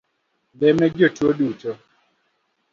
Lemne jotuo duto